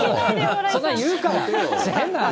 そんな言うから。